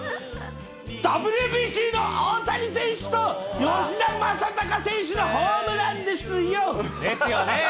ＷＢＣの大谷選手と吉田正尚選手のホームランですよ。ですよね。